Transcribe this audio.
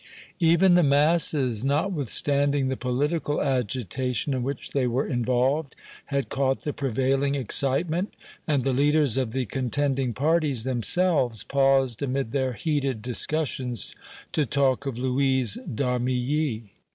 Even the masses, notwithstanding the political agitation in which they were involved, had caught the prevailing excitement, and the leaders of the contending parties themselves paused amid their heated discussions to talk of Louise d'Armilly.